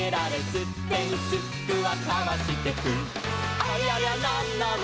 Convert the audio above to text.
「すってんすっくはかわしてく」「ありゃりゃなんなの？